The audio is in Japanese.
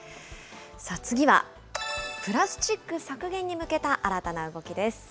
次は、プラスチック削減に向けた新たな動きです。